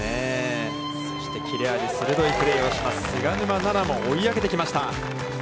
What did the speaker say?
そして切れ味鋭いプレーをします、菅沼菜々も追い上げてきました。